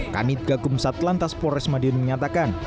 kanit gagum sat lantas polres madiun menyatakan